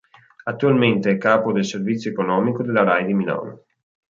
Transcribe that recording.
Attualmente è capo del servizio economico della Rai di Milano.